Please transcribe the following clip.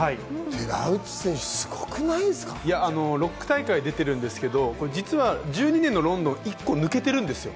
６大会出ているんですけれども実は１２年のロンドン１個抜けてるんですよ。